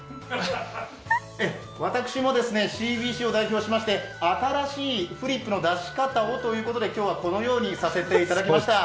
ええ、私もＣＢＣを代表しました新しいフリップの出し方をということで今日はこのようにさせていただきました。